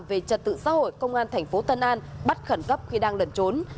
về trật tự xã hội công an tp tân an bắt khẩn gấp khi đang lần trốn